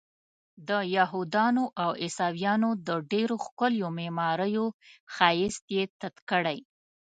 د یهودانو او عیسویانو د ډېرو ښکلیو معماریو ښایست یې تت کړی.